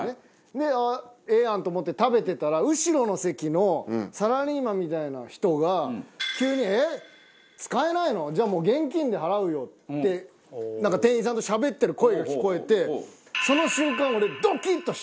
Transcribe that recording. であっええやんと思って食べてたら後ろの席のサラリーマンみたいな人が急に「え！使えないの！？じゃあもう現金で払うよ」ってなんか店員さんとしゃべってる声が聞こえてその瞬間俺ドキッ！として。